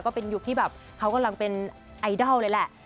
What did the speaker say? ก็เป็นยุคที่แบบเขากำลังเป็นไอดอลเลยแหละ